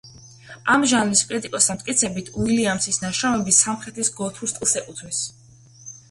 ამ ჟანრის კრიტიკოსთა მტკიცებით უილიამსის ნაშრომები სამხრეთის გოთურ სტილს ეკუთვნის.